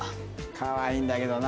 かわいいんだけどな。